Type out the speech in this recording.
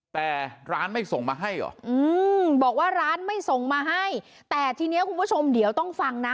แต่ร้านไม่ส่งมาให้เหรออืมบอกว่าร้านไม่ส่งมาให้แต่ทีเนี้ยคุณผู้ชมเดี๋ยวต้องฟังนะ